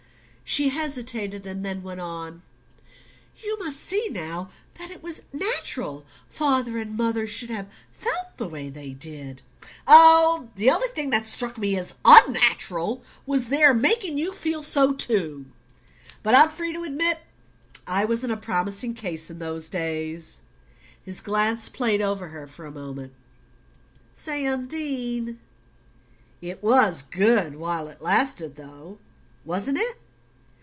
She hesitated, and then went on: "You must see now that it was natural father and mother should have felt the way they did " "Oh, the only thing that struck me as unnatural was their making you feel so too. But I'm free to admit I wasn't a promising case in those days." His glance played over her for a moment. "Say, Undine it was good while it lasted, though, wasn't it?"